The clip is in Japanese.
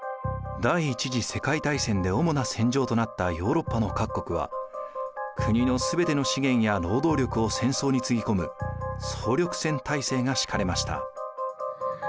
第一次世界大戦で主な戦場となったヨーロッパの各国は国の全ての資源や労働力を戦争につぎ込む総力戦体制が敷かれました。